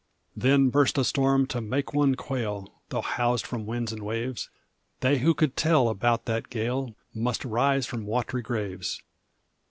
Then burst a storm to make one quail Though housed from winds and waves They who could tell about that gale Must rise from watery graves!